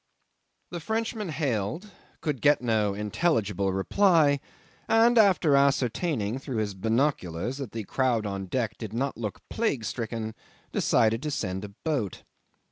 'The Frenchman hailed, could get no intelligible reply, and after ascertaining through his binoculars that the crowd on deck did not look plague stricken, decided to send a boat.